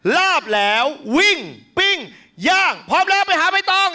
ลาบแล้ววิ่งปิ้งย่างพร้อมแล้วไปหาใบตอง